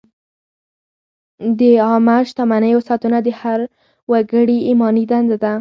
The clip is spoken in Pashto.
د عامه شتمنیو ساتنه د هر وګړي ایماني دنده ده.